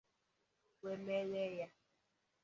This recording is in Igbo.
wee meghee ya